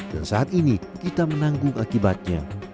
dan saat ini kita menanggung akibatnya